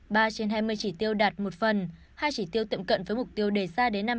ba trên hai mươi chỉ tiêu đạt một phần hai chỉ tiêu tiệm cận với mục tiêu đề ra đến năm hai nghìn hai mươi